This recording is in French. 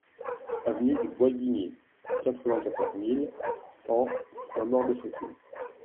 Avenue du Bois Guimier, quatre-vingt-quatorze mille cent Saint-Maur-des-Fossés